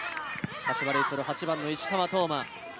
柏レイソル８番の石川斗音真。